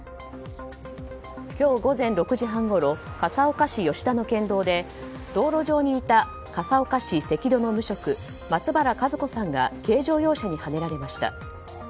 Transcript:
今日午前６時半ごろ笠岡市吉田の県道で道路上にいた笠岡市関戸の無職松原和子さんが軽乗用車にはねられました。